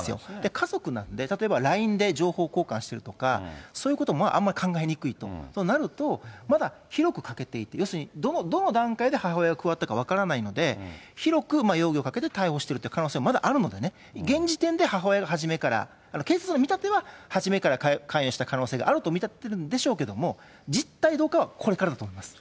家族なんで、例えばＬＩＮＥで情報交換してるとか、そういうこともあんまり考えにくいと、となると、まだ広くかけていて、要するにどの段階で母親が加わったか分からないので、広く容疑をかけて逮捕していく可能性もまだあるのでね、現時点で母親が初めから、警察の見立ては初めから関与した可能性があると見立ててるんでしょうけど、実態どうかはこれからだと思います。